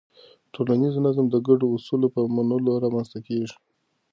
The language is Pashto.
ټولنیز نظم د ګډو اصولو په منلو رامنځته کېږي.